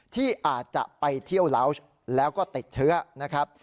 ที่อาจจะไปเที่ยวลาวส์แล้วก็ติดเชื้อนะครับ